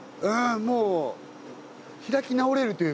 もう開き直れるというか。